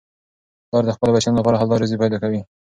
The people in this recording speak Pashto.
پلار د خپلو بچیانو لپاره حلاله روزي پیدا کوي.